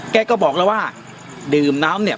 แกก็บอกแล้วว่าดื่มน้ำเนี่ย